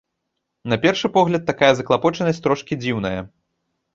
На першы погляд, такая заклапочанасць трошкі дзіўная.